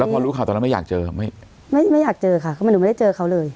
พอรู้ข่าวตอนนั้นไม่อยากเจอไม่ไม่อยากเจอค่ะเขาบอกหนูไม่ได้เจอเขาเลย